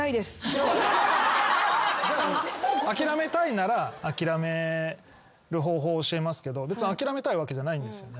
諦めたいなら諦める方法を教えますけど別に諦めたいわけじゃないんですよね？